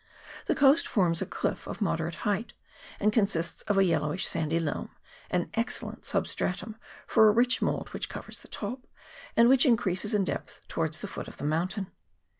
The coast forms a cliff of moderate height, and consists of a yellowish sandy loam an excellent substratum for a rich mould which covers the top, and which increases in depth towards the foot of the mountain.